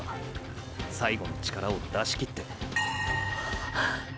最後の力を出しきって。っ！！